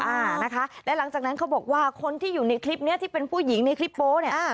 อ่านะคะและหลังจากนั้นเขาบอกว่าคนที่อยู่ในคลิปเนี้ยที่เป็นผู้หญิงในคลิปโป๊เนี่ยอ่า